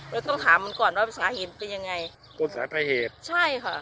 เราต้องถามมันก่อนว่าสาเหตุเป็นยังไงต้นสายปลายเหตุใช่ค่ะ